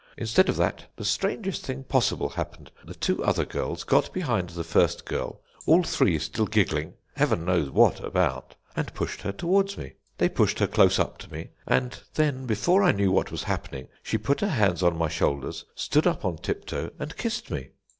Instead of that, the strangest thing possible happened. The two other girls got behind the first girl, all three still giggling, Heaven knows what about, and pushed her towards me. They pushed her close up to me, and then, before I knew what was happening, she put her hands on my shoulders, stood up on tiptoe, and kissed me.